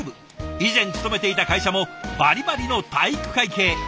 以前勤めていた会社もバリバリの体育会系。